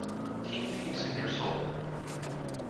Keep peace in your soul.